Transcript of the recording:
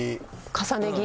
重ね着？